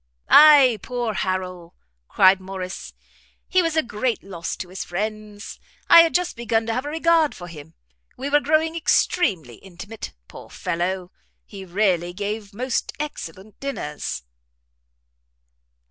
"Ay, poor Harrel!" cried Morrice, "he was a great loss to his friends. I had just begun to have a regard for him; we were growing extremely intimate. Poor fellow! he really gave most excellent dinners."